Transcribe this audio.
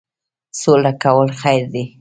سوله کول خیر دی.